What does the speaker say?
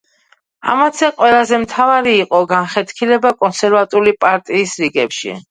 ამათგან ყველაზე მთავარი იყო განხეთქილება კონსერვატული პარტიის რიგებში.